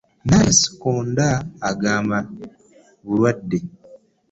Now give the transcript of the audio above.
Naye ate kasikonda bagamba bulwadde.